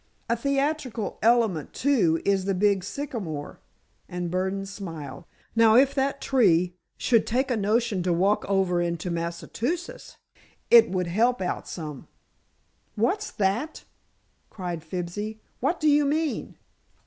"A theatrical element, too, is the big sycamore," and Burdon smiled. "Now, if that tree should take a notion to walk over into Massachusetts, it would help out some." "What's that?" cried Fibsy. "What do you mean?"